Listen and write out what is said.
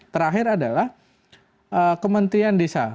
terakhir adalah kementerian desa